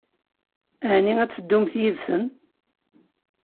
Ɛni ad teddumt yid-sen?